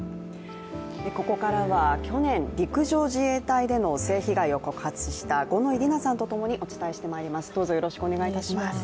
ここからは去年、陸上自衛隊での性被害を告発した五ノ井里奈さんとともにお伝えしてまいります